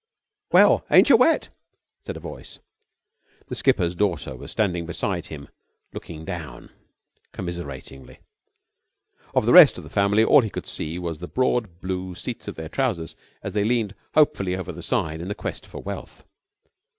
"Well, aincher wet?" said a voice. The skipper's daughter was standing beside him, looking down commiseratingly. Of the rest of the family all he could see was the broad blue seats of their trousers as they leaned hopefully over the side in the quest for wealth.